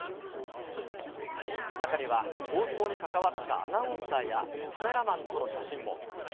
中には放送に関わったアナウンサーやカメラマンとの写真も。